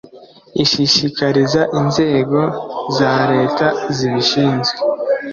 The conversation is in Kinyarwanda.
ishishikariza inzego za leta zibishinzwe